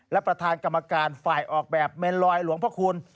และประธานกรรมการฝ่ายออกแบบเมนลอยหลวงพระคุณ